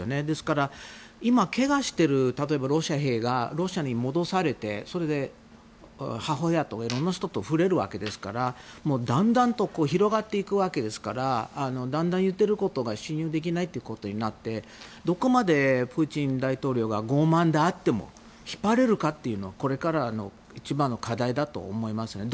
ですから、今けがしているロシア兵がロシアに戻されて、それで母親やいろんな人と触れるわけですからだんだんと広がっていくわけですからだんだん言っていることが信用できないことになってどこまでプーチン大統領が傲慢であっても引っ張れるかというのはこれからの一番の課題だと思います。